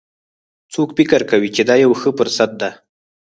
څوک فکر کوي چې دا یوه ښه فرصت ده